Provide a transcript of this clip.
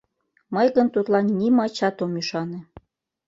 Мый гын тудлан нимачат ом ӱшане.